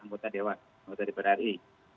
mota dewan mota diberari